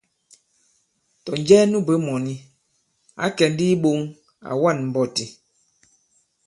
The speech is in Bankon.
Tɔ̀ njɛ nu bwě mɔ̀ni, ǎ kɛ̀ ndi i iɓōŋ, à wa᷇n mbɔti.